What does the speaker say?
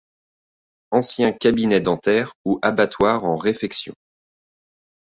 ancien cabinet dentaire ou abattoir en réfection.